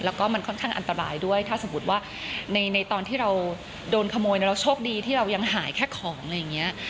แล้วก็มันค่อนข้างอันตรายด้วยถ้าสมมุติว่าในตอนที่เราโดนขโมยเราโชคดีที่เรายังหายแค่ของอะไรอย่างนี้